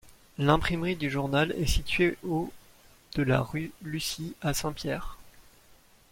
L'imprimerie du journal est située au de la rue Lucy à Saint-Pierre.